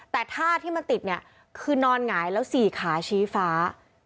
แต่ท่าที่มันติดเนี่ยคือนอนหงายแล้ว๔ขาชี้ฟ้า